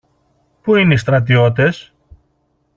Πού είναι οι στρατιώτες;